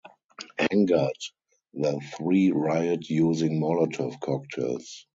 Angered, the three riot using Molotov cocktails.